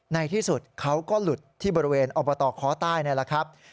ในที่สุดเขาก็หลุดที่บริเวณอบตค้อใต้นี่แหละครับ